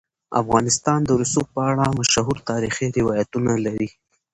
افغانستان د رسوب په اړه مشهور تاریخی روایتونه لري.